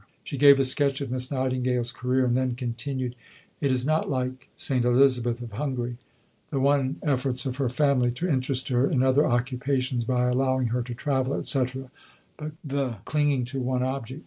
She gave a sketch of Miss Nightingale's career, and then continued: "Is it not like St. Elizabeth of Hungary? The efforts of her family to interest her in other occupations by allowing her to travel, etc. but the clinging to one object!